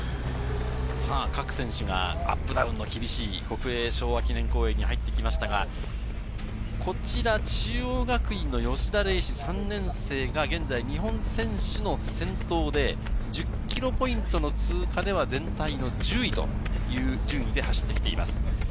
各選手がアップダウンの厳しい国営昭和記念公園に入ってきましたが、こちら中央学院の吉田礼志、３年生が現在日本選手の先頭で、１０ｋｍポイントの通過では全体の１０位という順位で走ってきています。